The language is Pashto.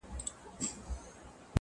چي اې زویه اې زما د سترګو توره؛